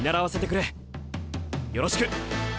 よろしく！